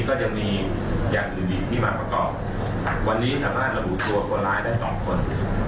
ก็ยังมีอย่างหนึ่งหรืออีกที่มาประกอบวันนี้สามารถระบุตัวคนร้ายได้สองคน